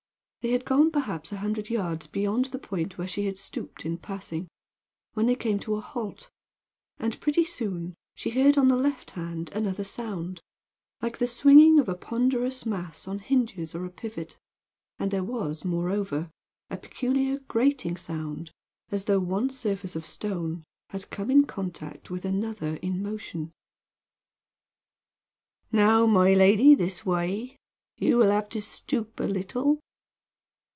They had gone perhaps a hundred yards beyond the point where she had stooped in passing, when they came to a halt, and pretty soon she heard on the left hand another sound, like the swinging of a ponderous mass on hinges or on a pivot, and there was, moreover, a peculiar grating sound as though one surface of stone had come in contact with another in motion. "Now, my lady, this way. You will have to stoop a little."